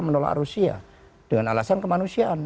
menolak rusia dengan alasan kemanusiaan